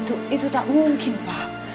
itu tak mungkin pak